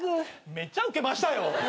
めっちゃウケましたよ。